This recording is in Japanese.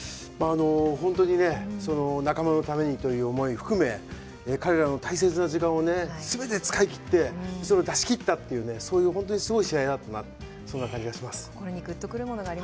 本当にね、仲間のためにという思い含め、彼らの大切な時間を全て使い切って出し切ったという、そういう本当すごい試合だったなって感じがします。